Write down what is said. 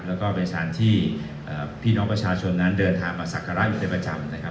แล้วก็เป็นสารที่พี่น้องประชาชนนั้นเดินทางมาศักระอยู่เป็นประจำนะครับ